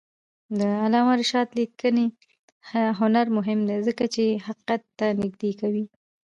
د علامه رشاد لیکنی هنر مهم دی ځکه چې حقیقت ته نږدې کوي.